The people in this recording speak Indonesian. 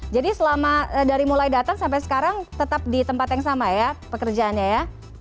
jadi dari mulai datang sampai sekarang tetap di tempat yang sama ya pekerjaannya ya